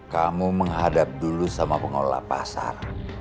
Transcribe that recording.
kamu menghadap dulu sama pengolah pasar